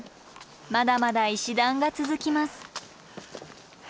まだまだ石段が続きます。